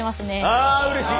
ああうれしい！